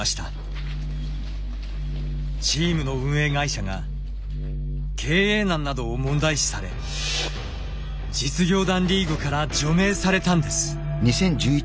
チームの運営会社が経営難などを問題視され実業団リーグから除名されたんです。